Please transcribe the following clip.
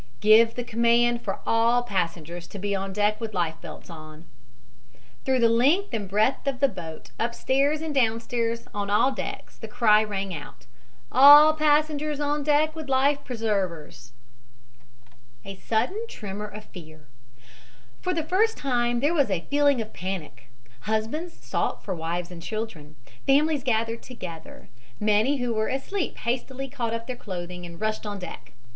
"Give the command for all passengers to be on deck with life belts on." Through the length and breadth of the boat, upstairs and downstairs, on all decks, the cry rang out: "All passengers on deck with life preservers." A SUDDEN TREMOR OF FEAR For the first time, there was a feeling of panic. Husbands sought for wives and children. Families gathered together. Many who were asleep hastily caught up their clothing and rushed on deck.